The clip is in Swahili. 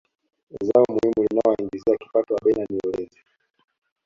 zao muhimu linalowaingizia kipato wabena ni ulezi